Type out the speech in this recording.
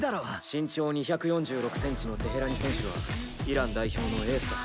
身長２４６ｃｍのテヘラニ選手はイラン代表のエースだ。